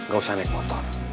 gausah naik motor